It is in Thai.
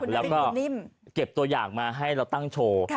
แล้วก็เก็บตัวอย่างมาให้เราตั้งโชว์